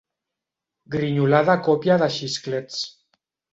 Grinyolada a còpia de xisclets.